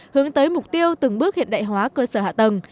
hướng tới mục tiêu từng bước hiện đại hóa cơ sở hạ tầng